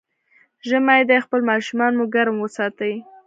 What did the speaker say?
ژمی دی، خپل ماشومان مو ګرم وساتئ.